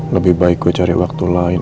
lebih baik gue cari waktu lain